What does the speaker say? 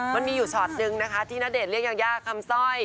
มันมีอยู่ช็อตนึงนะคะที่ณเดชนเรียกยายาคำสร้อย